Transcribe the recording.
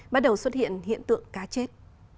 bắt đầu xuất hiện hiện tượng cá chết